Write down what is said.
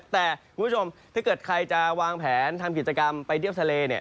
แต่คุณผู้ชมถ้าเกิดใครจะวางแผนทำกิจกรรมไปเที่ยวทะเลเนี่ย